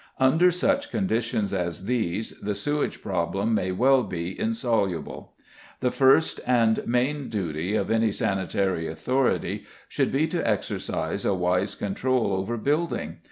Under such conditions as these the sewage problem may well be insoluble. The first and main duty of any sanitary authority should be to exercise a wise control over building.